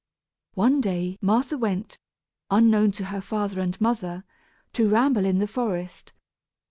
One day Martha went, unknown to her father and mother, to ramble in the forest.